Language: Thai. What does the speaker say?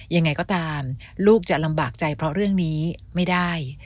ยังไงก็ตามลูกจะลำบากใจเพราะเรื่องนี้ไม่ได้